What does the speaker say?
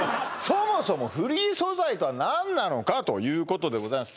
そもそもフリー素材とは何なのかということでございます